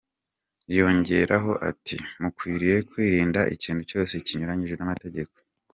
Yongeraho ati “Mukwiriye kwirinda ikintu cyose kinyuranyije n’amategeko.